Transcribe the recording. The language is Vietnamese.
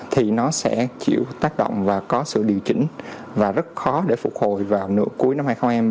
thì nó sẽ chịu tác động và có sự điều chỉnh và rất khó để phục hồi vào nửa cuối năm hai nghìn hai mươi